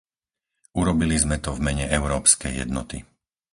Urobili sme to v mene európskej jednoty.